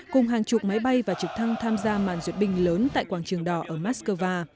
cùng hàng chục máy bay và trực thăng tham gia màn duyệt binh lớn tại quảng trường đỏ ở moscow